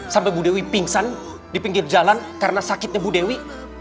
sampai bu dewi pingsan di pinggir jalan karena sakitnya bu dewi